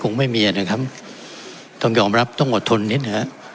คงไม่มีนะครับต้องยอมรับต้องอดทนนิดนะฮะ